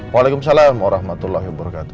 waalaikumsalam warahmatullahi wabarakatuh